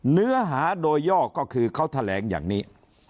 เนื้อหาโดยย่อก็คือเขาแถลงอย่างนี้